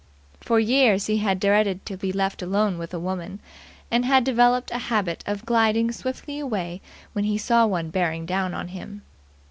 For years he had dreaded to be left alone with a woman, and had developed a habit of gliding swiftly away when he saw one bearing down on him.